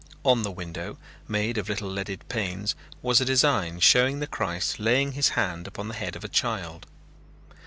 On the window, made of little leaded panes, was a design showing the Christ laying his hand upon the head of a child.